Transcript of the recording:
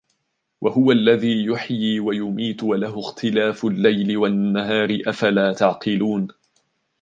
وَهُوَ الَّذِي يُحْيِي وَيُمِيتُ وَلَهُ اخْتِلَافُ اللَّيْلِ وَالنَّهَارِ أَفَلَا تَعْقِلُونَ